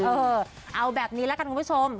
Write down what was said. เออเอาแบบนี้ละกันคุณผู้ชม